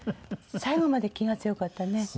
最後まで気が強かったね。